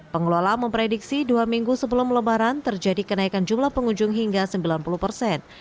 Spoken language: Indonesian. pengelola memprediksi dua minggu sebelum lebaran terjadi kenaikan jumlah pengunjung hingga sembilan puluh persen